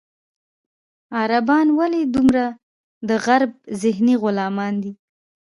عربان ولې دومره د غرب ذهني غلامان دي.